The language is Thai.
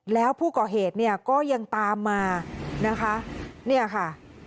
แล้วผู้ก่อเหตุเนี่ยก็ยังตามมานะคะเนี่ยค่ะ